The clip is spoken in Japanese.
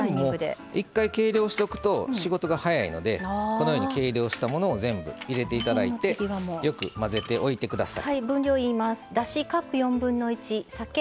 一回、計量しておくと仕事が早いので計量したものを入れていただいてよく混ぜておいてください。